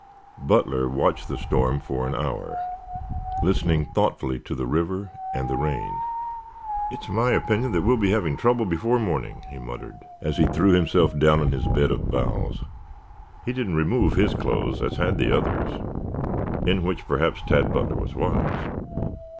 Butler watched the storm for an hour, listening thoughtfully to the river and the rain. "It is my opinion that we'll be having trouble before morning," he muttered as he threw himself down on his bed of boughs. He did not remove his clothes, as had the others, in which perhaps Tad Butler was wise.